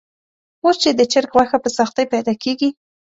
اوس چې د چرګ غوښه په سختۍ پیدا کېږي.